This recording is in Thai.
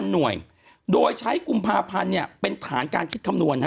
หน่วยโดยใช้กุมภาพันธ์เป็นฐานการคิดคำนวณ